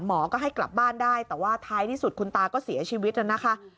หมอก็ให้กลับบ้านได้แต่ว่าท้ายที่สุดคุณตาก็เสียชีวิตนะคะ